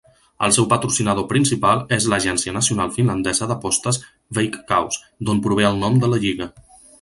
El seu patrocinador principal és l'agència nacional finlandesa d'apostes Veikkaus, d'on prové el nom de la lliga.